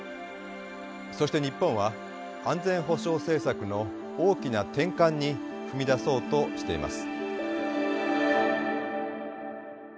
そして日本は安全保障政策の大きな転換に踏み出そうとしています。